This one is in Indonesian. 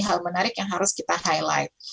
hal menarik yang harus kita highlight